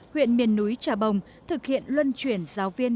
huyện miền núi trà bồng thực hiện luân chuyển giáo viên